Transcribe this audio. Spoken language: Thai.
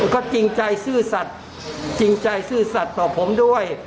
ก็จริงใจซื่อสัตว์จริงใจซื่อสัตว์ต่อผมด้วย